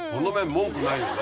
文句ないよね。